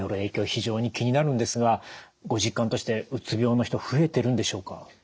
非常に気になるんですがご実感としてうつ病の人増えてるんでしょうか？